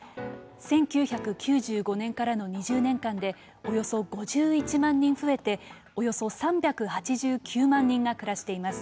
１９９５年からの２０年間でおよそ５１万人増えておよそ３８９万人が暮らしています。